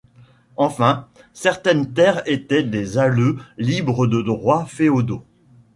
Enfin, certaines terres étaient des alleux libres de droits féodaux.